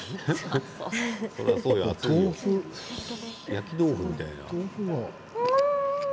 焼き豆腐みたいな？